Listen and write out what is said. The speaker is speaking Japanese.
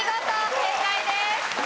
正解です。